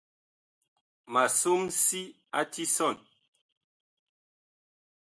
Ma som si a tisɔn.